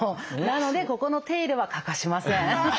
なのでここの手入れは欠かしません。